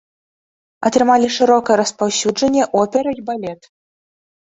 Атрымалі шырокае распаўсюджанне опера і балет.